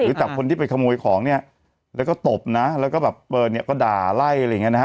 จับคนที่ไปขโมยของเนี่ยแล้วก็ตบนะแล้วก็แบบเปิดเนี่ยก็ด่าไล่อะไรอย่างเงี้นะฮะ